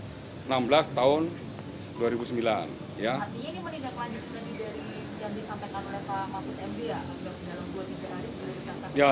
artinya ini meningkat lanjut dari yang disampaikan oleh pak mahfud m d ya